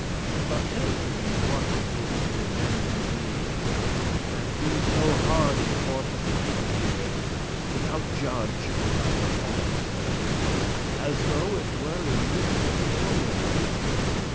But tell to me what mister* men ye be, *manner, kind <34> That be so hardy for to fighte here Withoute judge or other officer, As though it were in listes royally.